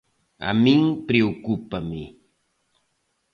A min preocúpame.